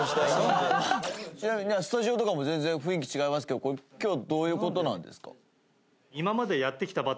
ちなみにスタジオとかも全然雰囲気違いますけど今日どういう事なんですか？